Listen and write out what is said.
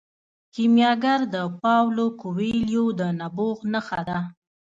کیمیاګر د پاولو کویلیو د نبوغ نښه ده.